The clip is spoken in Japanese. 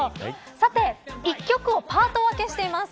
さて１曲をパート分けしています。